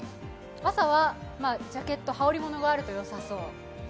朝はジャケット、羽織り物があるとよさそう。